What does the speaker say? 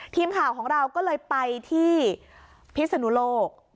ทีมข่าวของเราก็เลยไปที่พิศนุโลก